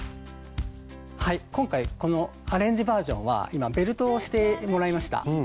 はい今回このアレンジバージョンは今ベルトをしてもらいました。